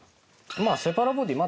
まあセパラボディ